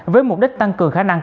với mục đích tăng cường khả năng